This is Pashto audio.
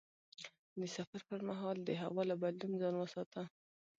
د سفر پر مهال د هوا له بدلون ځان وساته.